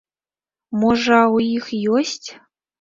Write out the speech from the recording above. Можа, у іх ёсць?